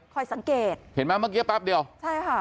สังเกตเห็นไหมเมื่อกี้แป๊บเดียวใช่ค่ะ